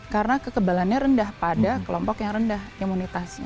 karena kekebalannya rendah pada kelompok yang rendah imunitasnya